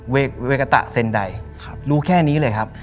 เวกาตะเซ็นไดรู้แค่นี้เลยครับ